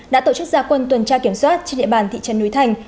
đã tổ chức gia quân tuần tra kiểm soát trên địa bàn thị trấn núi thành